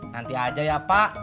nanti aja ya pak